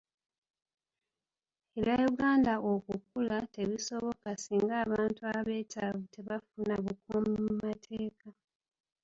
Ebya Uganda okukula tebisoboka singa abantu abeetaavu tebafuna bukuumi mu mateeka.